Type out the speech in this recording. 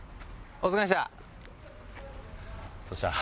お疲れした。